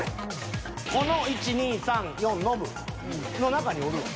この１２３４ノブの中におるわ。